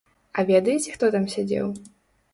А ведаеце, хто там сядзеў?